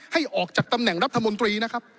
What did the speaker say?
ให้ออกจากตำแหน่งรัฐมนตรีนะครับ